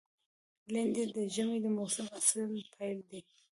لېندۍ د ژمي د موسم اصلي پیل دی.